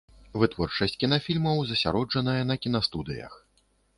Вытворчасць кінафільмаў засяроджанае на кінастудыях.